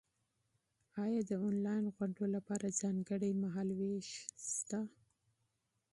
ایا د انلاین غونډو لپاره ځانګړی مهال وېش شته؟